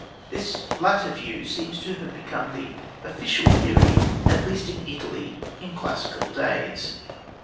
This latter view seems to have become the official theory, at least in Italy, in classical days.